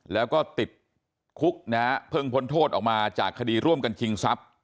แล้วก็ติดคุกนะฮะเพิ่งพ้นโทษออกมาจากคดีร่วมกันชิงทรัพย์